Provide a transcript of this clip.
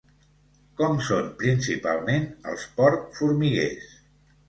Com són principalment els porc formiguers?